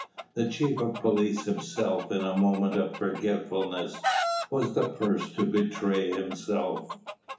The chief of police himself, in a moment of forgetfulness, was the first to betray himself.